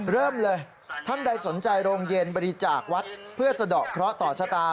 เริ่มเลยท่านใดสนใจโรงเย็นบริจาควัดเพื่อสะดอกเคราะห์ต่อชะตา